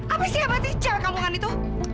apa sih apa sih si cewek kampungan itu